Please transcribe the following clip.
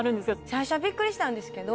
最初はびっくりしたんですけど